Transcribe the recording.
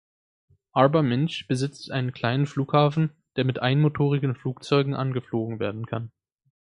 Arba Minch besitzt einen kleinen Flughafen, der mit einmotorigen Flugzeugen angeflogen werden kann.